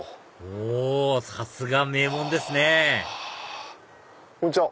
おさすが名門ですねこんにちは！